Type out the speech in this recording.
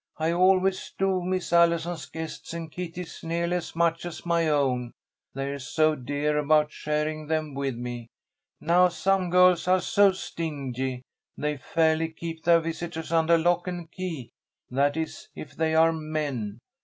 I always do miss Allison's guests and Kitty's nearly as much as my own. They're so dear about sharing them with me. Now some girls are so stingy, they fairly keep their visitors under lock and key that is, if they are men.